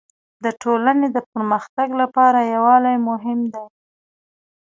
د ټولني د پرمختګ لپاره يووالی مهم دی.